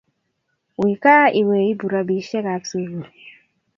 Uii kaa iweiby robishe ab sukul.